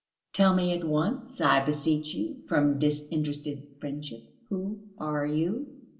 Tell me at once, I beseech you, from disinterested friendship, who are you?"